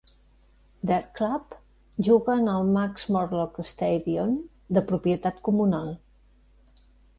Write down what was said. "Der Club" juga en el Max-Morlock-Stadion de propietat comunal.